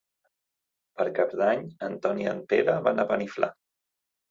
Per Cap d'Any en Ton i en Pere van a Beniflà.